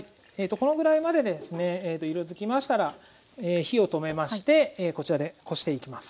このぐらいまでですね色づきましたら火を止めましてこちらでこしていきます。